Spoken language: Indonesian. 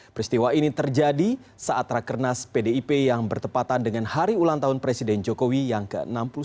peristiwa ini terjadi saat rakernas pdip yang bertepatan dengan hari ulang tahun presiden jokowi yang ke enam puluh sembilan